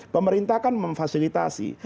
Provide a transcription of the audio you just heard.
pemerintah akan memfasilitasi